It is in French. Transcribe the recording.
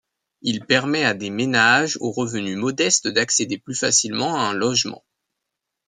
Il permet à des ménages aux revenus modestes d'accéder plus facilement à un logement.